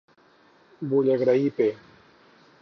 Vull agrair p